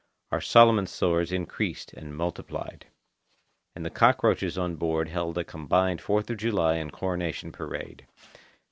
Our Solomon sores increased and multiplied. And the cockroaches on board held a combined Fourth of July and Coronation Parade.